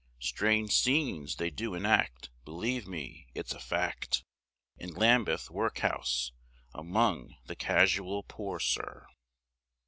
Strange scenes they do enact, believe me, it's a fact, In Lambeth workhouse among the casual poor, sir.